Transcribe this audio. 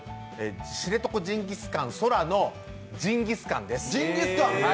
知床ジンギスカンそらのジンギスカンです。